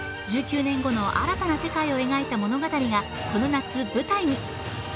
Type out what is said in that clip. １９年後の新たな世界を描いた物語がこの夏、舞台に。